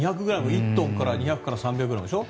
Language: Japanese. １トンから２００から３００ｇでしょ？